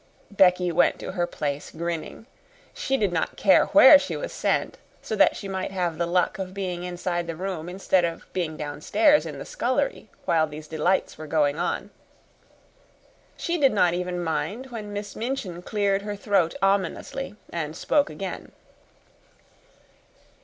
Becky went to her place, grinning. She did not care where she was sent, so that she might have the luck of being inside the room, instead of being downstairs in the scullery, while these delights were going on. She did not even mind when Miss Minchin cleared her throat ominously and spoke again.